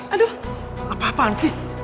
aduh apa apaan sih